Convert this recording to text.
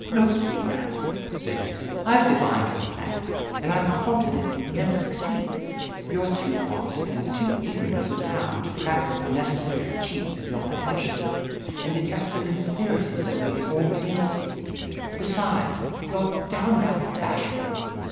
"Look ye, Random," said he, "I have divined your plan, and am confident it will never succeed. You are too honest and too ignorant of the town to practise the necessary cheats of your profession, and detect the conspiracies that will be formed against you. Besides, you are downright bashful.